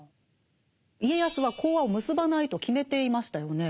家康は講和を結ばないと決めていましたよね。